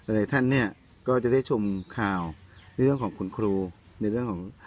หลายท่านเนี่ยก็จะได้ชมข่าวในเรื่องของคุณครูในเรื่องของ